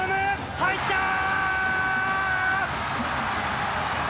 入ったー！